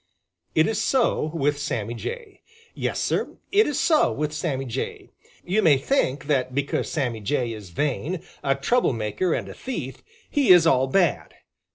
It is so with Sammy Jay. Yes, Sir, it is so with Sammy Jay. You may think that because Sammy Jay is vain, a trouble maker and a thief, he is all bad.